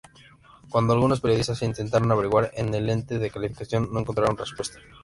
Cuando algunos periodistas intentaron averiguar en el Ente de Calificación, no encontraron respuesta.